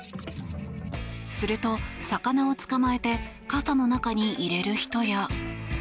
すると、魚を捕まえて傘の中に入れる人や。